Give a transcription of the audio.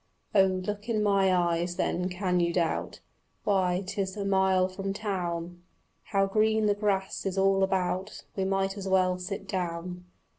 Oh, look in my eyes, then, can you doubt? Why, 'tis a mile from town. How green the grass is all about! We might as well sit down.